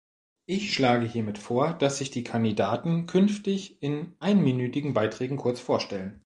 Ich schlage hiermit vor, dass sich die Kandidaten künftig in einminütigen Beiträgen kurz vorstellen.